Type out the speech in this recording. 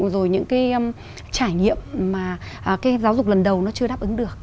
rồi những cái trải nghiệm mà cái giáo dục lần đầu nó chưa đáp ứng được